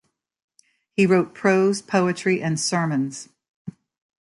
He wrote prose, poetry and sermons.